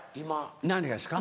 何がですか？